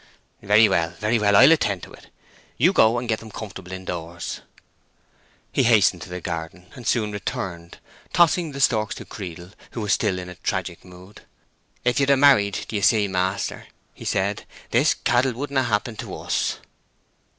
"Very well, very well! I'll attend to it. You go and get 'em comfortable in doors." He hastened to the garden, and soon returned, tossing the stalks to Creedle, who was still in a tragic mood. "If ye'd ha' married, d'ye see, maister," he said, "this caddle couldn't have happened to us."